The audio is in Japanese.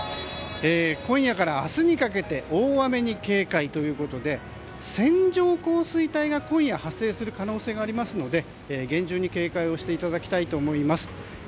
今夜から明日にかけて大雨に警戒ということで線状降水帯が今夜発生する可能性がありますので厳重に警戒をしていただきたいと思います。